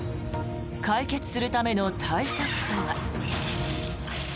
解決するための対策とは。